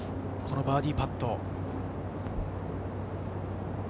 バーディーパット。